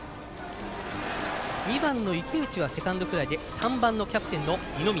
２番の池内はセカンドフライで３番のキャプテンの二宮。